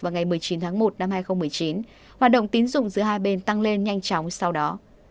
vào ngày một mươi chín tháng một năm hai nghìn một mươi chín hoạt động tín dụng giữa hai bên tăng lên nhanh chóng sau đó